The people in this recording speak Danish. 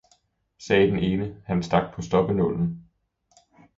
sagde den ene, han stak på stoppenålen.